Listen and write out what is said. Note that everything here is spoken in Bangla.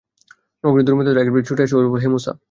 নগরীর দূর প্রান্ত হতে এক ব্যক্তি ছুটে আসল ও বলল, হে মূসা!